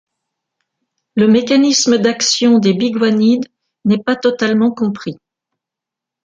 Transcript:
Le mécanisme d'action des biguanides n'est pas totalement compris.